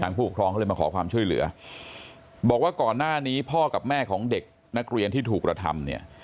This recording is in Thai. ผู้ปกครองเขาเลยมาขอความช่วยเหลือบอกว่าก่อนหน้านี้พ่อกับแม่ของเด็กนักเรียนที่ถูกกระทำเนี่ย